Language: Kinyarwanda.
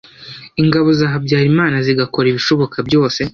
ingabo za Habyarimana zigakora ibishoboka byose